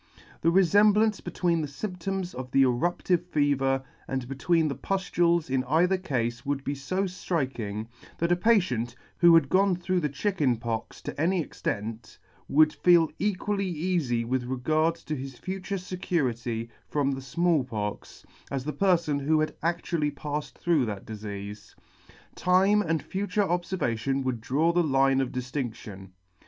The re femblance between the fymptoms of the eruptive fever and between the puftules in either cafe would be fo ftriking, that a patient, who had gone through the Chicken Pox to any extent, would feel equally eafy with regard to his future fecurity from ' the [ 75 ] the Small Pox, as the perfon who had actually pafled through that difeafe. Time and future obfervation would draw the line of diftindtion.